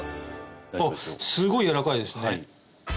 あっすごいやわらかいですね。